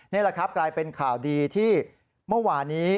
นี่แหละครับกลายเป็นข่าวดีที่เมื่อวานี้